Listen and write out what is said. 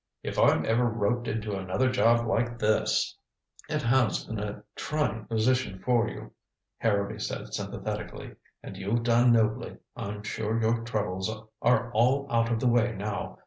If I'm ever roped into another job like this " "It has been a trying position for you," Harrowby said sympathetically. "And you've done nobly. I'm sure your troubles are all out of the way now.